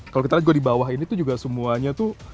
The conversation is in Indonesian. kalau kita lihat juga di bawah ini tuh juga semuanya tuh